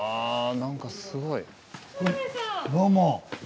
何かすごい！